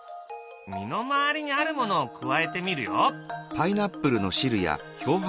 身の回りにあるものを加えてみるよ。